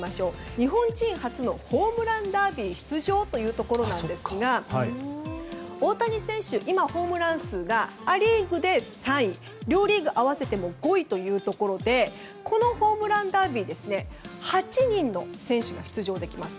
日本人初のホームランダービー出場？というところなんですが大谷選手、今ホームラン数がア・リーグで３位両リーグ合わせても５位というところでこのホームランダービーは８人の選手が出場できます。